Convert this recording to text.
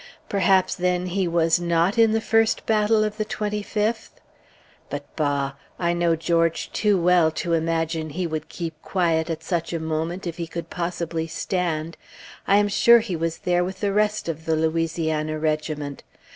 Perhaps, then, he was not in the first battle of the 25th? But bah! I know George too well to imagine he would keep quiet at such a moment, if he could possibly stand! I am sure he was there with the rest of the Louisiana regiment.